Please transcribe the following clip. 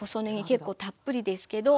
結構たっぷりですけどここに。